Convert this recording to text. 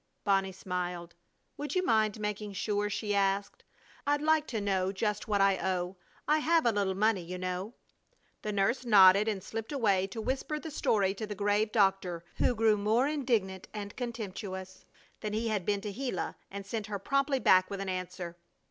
Bonnie smiled. "Would you mind making sure?" she asked. "I'd like to know just what I owe. I have a little money, you know." The nurse nodded and slipped away to whisper the story to the grave doctor, who grew more indignant and contemptuous than he had been to Gila, and sent her promptly back with an answer.